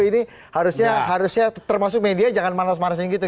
ini harusnya termasuk media jangan manas manasin gitu